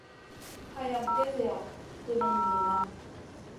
Hayam gezeya tunum niyna.